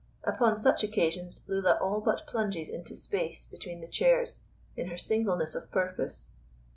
Upon such occasions Lulla all but plunges into space between the chairs, in her singleness of purpose.